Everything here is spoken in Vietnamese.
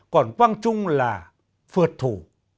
còn quang trung là phượt thủ